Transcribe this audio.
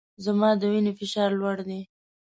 زما د وینې فشار لوړ دی